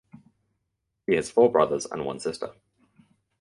He has four brothers and one sister.